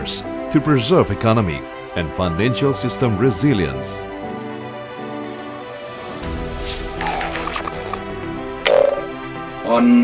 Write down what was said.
untuk menjaga ekonomi dan keberanian sistem finansial